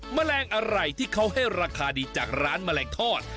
แมลงอะไรที่เขาให้ราคาดีจากร้านแมลงทอด